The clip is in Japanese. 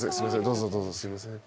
すいません